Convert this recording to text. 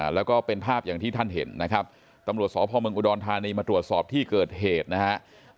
แล้วก็เป็นภาพอย่างที่ท่านเห็นนะครับตำรวจสพเมืองอุดรธานีมาตรวจสอบที่เกิดเหตุนะครับ